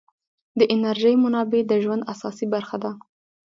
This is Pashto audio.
د انرژۍ منابع د ژوند اساسي برخه ده.